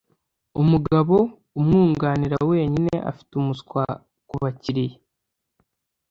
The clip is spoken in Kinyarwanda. Umugabo umwunganira wenyine afite umuswa kubakiriya